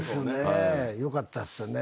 よかったっすね。